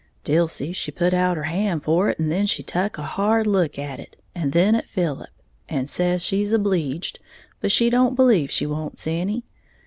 Dilsey she put out her hand for it, and then she tuck a hard look at it, and then at Philip, and says she's obleeged, but she don't believe she wants any.